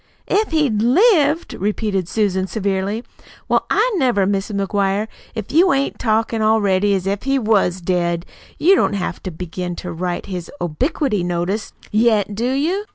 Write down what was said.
"'If he'd lived'!" repeated Susan severely. "Well, I never, Mis' McGuire, if you ain't talkin' already as if he was dead! You don't have to begin to write his obliquity notice yet, do you?"